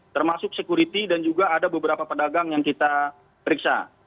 termasuk security dan juga ada beberapa pedagang yang kita periksa